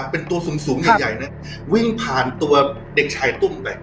เป็นตัวสูงสูงใหญ่ใหญ่นะครับวิ่งผ่านตัวเด็กชายตุ้มไป